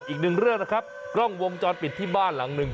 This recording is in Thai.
อีกหนึ่งเรื่องนะครับกล้องวงจรปิดที่บ้านหลังหนึ่ง